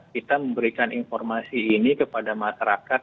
kita memberikan informasi ini kepada masyarakat